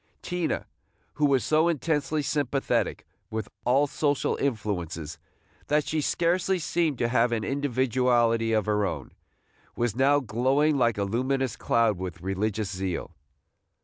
Tina, who was so intensely sympathetic with all social influences that she scarcely seemed to have an individuality of her own, was now glowing like a luminous cloud with religious zeal.